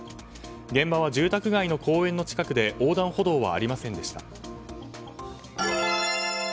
現場は住宅街の公園の近くで横断歩道はありませんでした。